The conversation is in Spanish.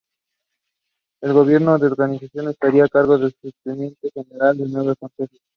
El gobierno del organismo estaría a cargo de un superintendente general y nueve consejeros.